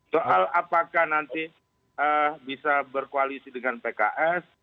soal apakah nanti bisa berkoalisi dengan pks